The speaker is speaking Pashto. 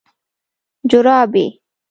🧦جورابي